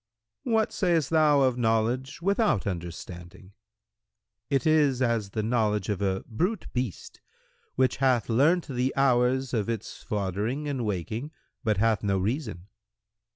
Q "What sayst thou of knowledge without understanding?"—"It is as the knowledge of a brute[FN#109] beast, which hath learnt the hours of its foddering and waking, but hath no reason."